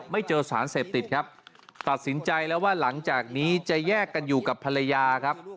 ไม่เจอสารเสพติดครับตัดสินใจแล้วว่าหลังจากนี้จะแยกกันอยู่กับภรรยาครับ